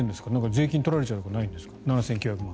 税金で取られちゃったりしないんですか？